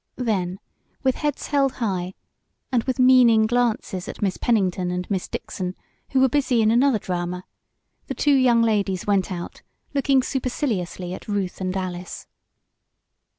Then, with heads held high, and with meaning glances at Miss Pennington and Miss Dixon, who were busy in another drama, the two young ladies went out, looking superciliously at Ruth and Alice.